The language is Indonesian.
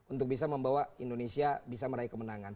untuk bisa membawa indonesia bisa meraih kemenangan